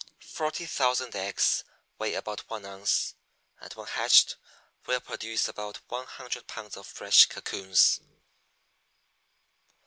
Forty thousand eggs weigh about one ounce, and when hatched will produce about one hundred pounds of fresh cocoons.